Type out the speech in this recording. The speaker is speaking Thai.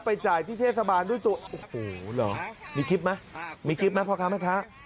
ไปจ่ายที่เทศกิจด้วยตัวโอ้โหหรอมีคลิปมั้ยมีคลิปมั้ยพ่อค้าแม่ค้า